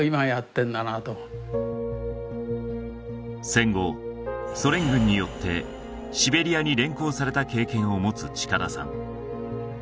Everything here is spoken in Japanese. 戦後ソ連軍によってシベリアに連行された経験をもつ近田さん